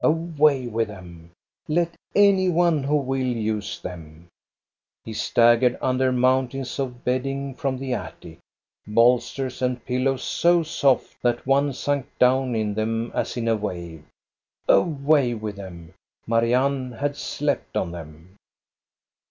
Away with them ! Let any one who will use them ! He staggered under mountains of bedding from the attic : bolsters and pillows so soft that one sunk down THE AUCTION AT BJORNE 14S in them as in a wave. Away with them ! Marianne had slept on them.